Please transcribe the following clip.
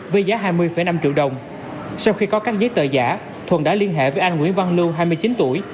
với giá hai mươi năm triệu đồng sau khi có các giấy tờ giả thuận đã liên hệ với anh nguyễn văn lưu hai mươi chín tuổi